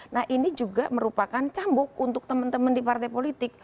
nah ini juga merupakan cambuk untuk teman teman di partai politik